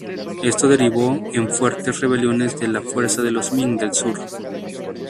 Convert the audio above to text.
Esto derivó en fuertes rebeliones de las fuerzas de los Ming del Sur.